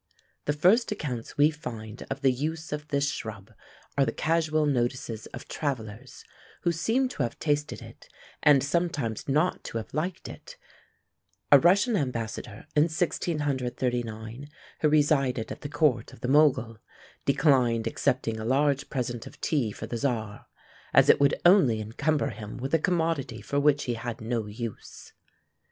The first accounts we find of the use of this shrub are the casual notices of travellers, who seem to have tasted it, and sometimes not to have liked it: a Russian ambassador, in 1639, who resided at the court of the Mogul, declined accepting a large present of tea for the Czar, "as it would only encumber him with a commodity for which he had no use."